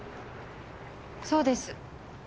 そうです。